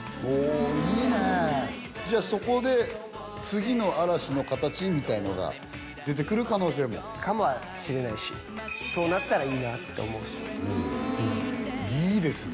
おいいねじゃあそこで次の嵐の形みたいなのが出てくる可能性もかもしれないしって思うしいいですね